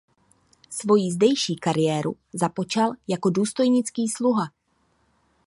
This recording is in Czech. Svoji zdejší kariéru započal jako důstojnický sluha.